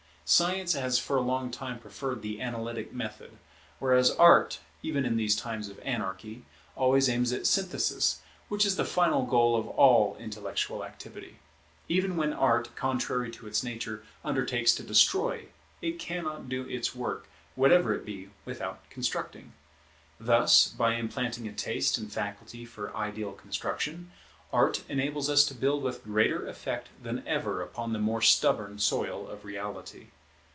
Science has for a long time preferred the analytic method, whereas Art, even in these times of anarchy, always aims at Synthesis, which is the final goal of all intellectual activity. Even when Art, contrary to its nature, undertakes to destroy, it cannot do its work, whatever it be, without constructing. Thus, by implanting a taste and faculty for ideal construction, Art enables us to build with greater effect than ever upon the more stubborn soil of reality.